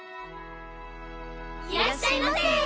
いらっしゃいませ！